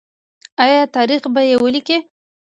آیا تاریخ به یې ولیکي؟